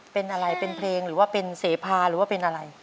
เป็นอะไรเป็นเพลงหรือว่าเป็นเสพาหรือว่าเป็นอะไร